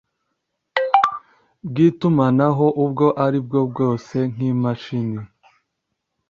bw itumanaho ubwo ari bwo bwose nk imashini